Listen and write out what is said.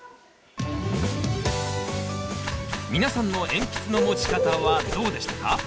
皆さんの鉛筆の持ち方はどうでしたか？